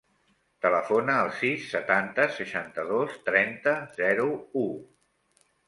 Telefona al sis, setanta, seixanta-dos, trenta, zero, u.